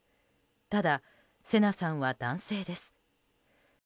ただ、聖奈さんは男性です。